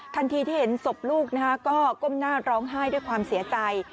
ทันทีที่เห็นศพลูกก็ก้มหน้าร้องไห้ด้วยความเสียใจ